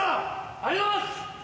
ありがとうございます！